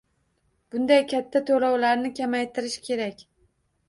Bunday katta toʻlovlarni kamaytirish kerak.